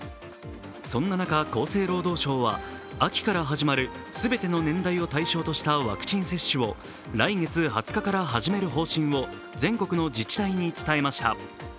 そんな中、厚生労働省は秋から始まる全ての年代を対象としたワクチン接種を来月２０日から始める方針を全国の自治体に伝えました。